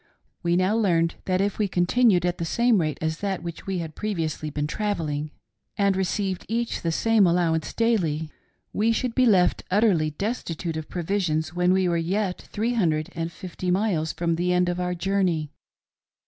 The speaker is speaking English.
We now learned that if we continued at the same rate as that which we had previously been travel ling, and received each the same allowance daily, we should be left utterly destitute of provisions when we were yet three hundred and fifty miles from the end of our journey.